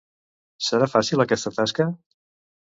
Serà fàcil aquesta tasca?